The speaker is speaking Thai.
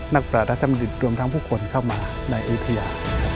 นักปราธรรมดิตรวมทั้งผู้คนเข้ามาในอิทยา